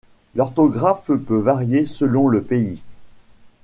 L’orthographe peut varier selon le pays.